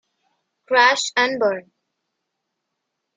Crash and burn.